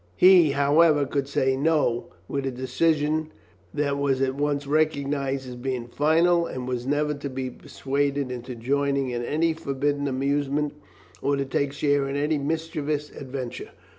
He, however, could say "no" with a decision that was at once recognized as being final, and was never to be persuaded into joining in any forbidden amusement or to take share in any mischievous adventure.